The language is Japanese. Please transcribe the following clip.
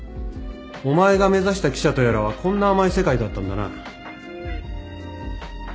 お前が目指した記者とやらはこんな甘い世界だったんだな。